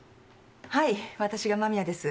はいわたしが間宮です。